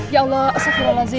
ya allah astaghfirullahaladzim